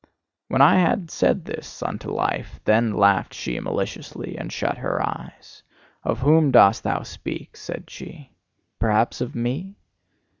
When I had said this unto Life, then laughed she maliciously, and shut her eyes. "Of whom dost thou speak?" said she. "Perhaps of me?